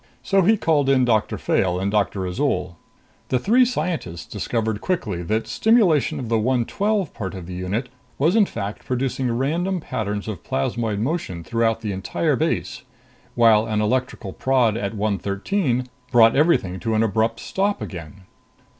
So he called in Doctor Fayle and Doctor Azol." The three scientists discovered quickly that stimulation of the 112 part of the unit was in fact producing random patterns of plasmoid motion throughout the entire base, while an electrical prod at 113 brought everything to an abrupt stop again.